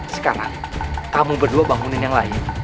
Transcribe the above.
sekarang kamu berdua bangunin yang lain